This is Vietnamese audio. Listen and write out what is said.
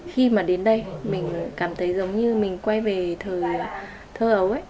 khi mà đến đây mình cảm thấy giống như mình quay về thời thơ ấu ấy